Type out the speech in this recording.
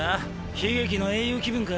悲劇の英雄気分か？